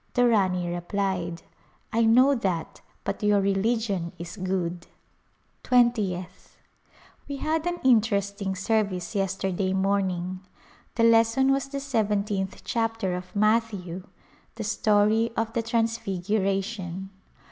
The Rani replied, " I know that, but your religion is good." Twentieth. We had an interesting service yesterday morning. The lesson was the seventeenth chapter of Matthew, the story of the Transfiguration.